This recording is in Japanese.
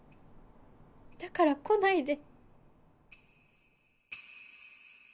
・だから来ないで。